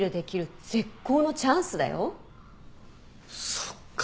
そっか。